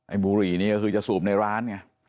บุหรี่นี่ก็คือจะสูบในร้านไง